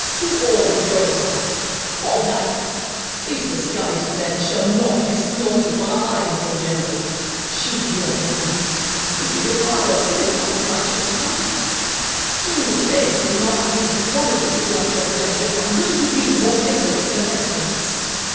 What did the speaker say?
Who ordered your attack? Fall back; these misguided men shall not be slaughtered, while I am your general. Sheath your weapons; these are your brothers, commit not fratricide; soon the plague will not leave one for you to glut your revenge upon: will you be more pitiless than pestilence?